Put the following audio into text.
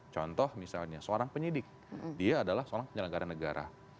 contoh misalnya seorang penyidik dia adalah seorang penyelenggara negara